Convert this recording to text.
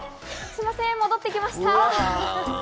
すみません、戻ってきました。